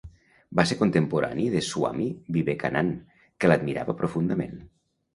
Va ser contemporani de Swami Vivekanand, que l'admirava profundament.